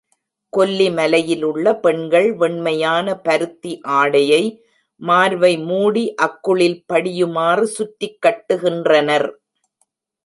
கொல்லி மலையிலுள்ள பெண்கள் வெண்மையான பருத்தி ஆடையை, மார்பை மூடி அக்குளில் படியுமாறு சுற்றிக் கட்டுகின்றனர்.